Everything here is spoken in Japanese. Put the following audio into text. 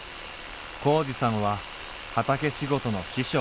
紘二さんは畑仕事の師匠。